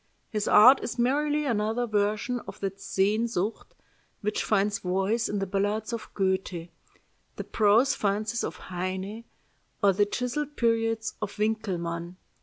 His art is merely another version of that Sehnsucht which finds voice in the ballads of Goethe, the prose fancies of Heine, or the chiselled periods of Winckelmann.